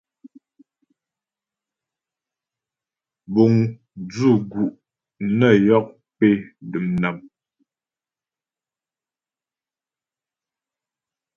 Buŋ dzʉ̂ gu' nə yɔ́ pé dəm nám.